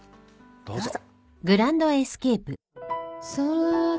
どうぞ。